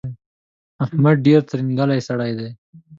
احمد ډېر ترینګلی سړی دی.